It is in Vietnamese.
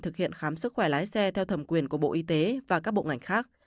thực hiện khám sức khỏe lái xe theo thẩm quyền của bộ y tế và các bộ ngành khác